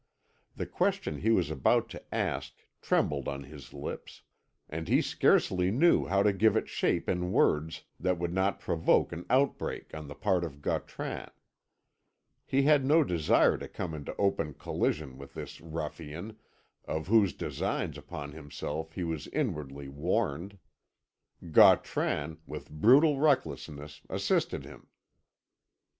The question he was about to ask trembled on his lips, and he scarcely knew how to give it shape in words that would not provoke an outbreak on the part of Gautran. He had no desire to come into open collision with this ruffian, of whose designs upon himself he was inwardly warned. Gautran, with brutal recklessness, assisted him.